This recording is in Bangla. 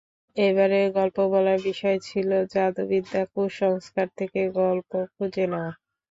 এবারের গল্প বলার বিষয় ছিল জাদুবিদ্যা কুসংস্কার থেকে গল্প খুঁজে নেওয়া।